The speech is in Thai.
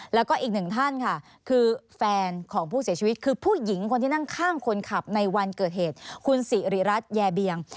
แล้วก็อีกหนึ่งท่านค่ะคือแฟนของผู้เสียชีวิตคือผู้หญิงคนที่นั่งข้างคนขับในวันเกิดเหตุคุณสิริรัตนแยเบียง